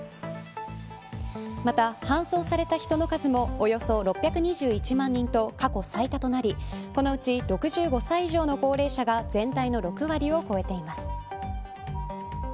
また、搬送された人の数もおよそ６２１万人と過去最多となりこのうち、６５歳以上の高齢者が全体の６割を超えています。